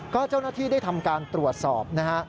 ก็เจ้าหน้าที่ได้ทำการตรวจสอบนะฮะ